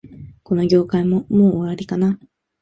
この業界も、もう終わりかな